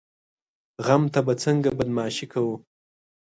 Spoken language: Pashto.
غم ته به څنګه بدماشي کوو؟